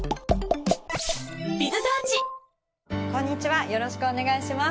こんにちはよろしくお願いします。